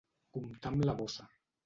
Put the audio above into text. Comptar amb la bossa.